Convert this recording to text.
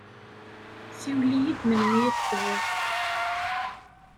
Siwel-iyi-d melmi i tewwḍeḍ.